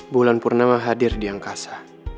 bulan purnama hadir di angkasa